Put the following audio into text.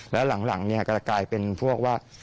แล้วหลังเนี่ยก็จะกลายเป็นพวกว่า